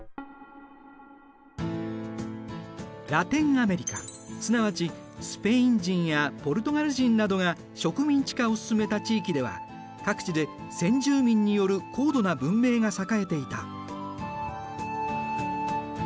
ラテンアメリカすなわちスペイン人やポルトガル人などが植民地化を進めた地域では各地で先住民による高度な文明が栄えていた。